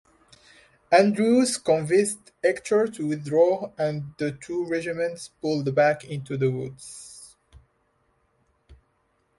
Andrews convinced Ector to withdraw and the two regiments pulled back into the woods.